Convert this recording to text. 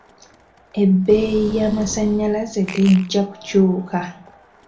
Ebbeyi y'amasanyalaze tejja kukyuuka.